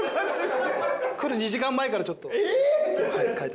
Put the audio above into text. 来る２時間前からちょっと描いた。